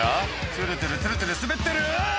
ツルツルツルツル滑ってる⁉」